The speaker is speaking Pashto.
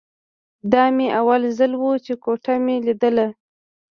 دا مې اول ځل و چې کوټه مې ليدله.